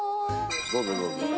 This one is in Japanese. どうぞどうぞ。